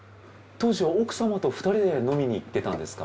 当時は奥様と２人で飲みに行ってたんですか？